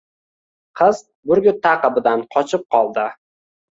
qiz burgut ta’qibidan qochib qoldi